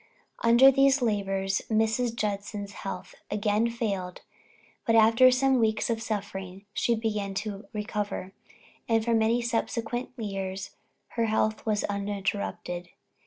Under these labors, Mrs. Judson's health again failed but after some weeks of suffering, she began to recover, and for many subsequent years her health was uninterrupted.